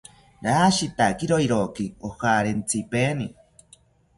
Rashitakiro roki ojarentsipaeni